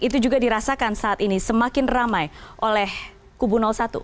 itu juga dirasakan saat ini semakin ramai oleh kubu satu